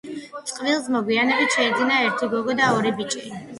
წყვილს მოგვიანებით შეეძინა ერთი გოგო და ორი ბიჭი.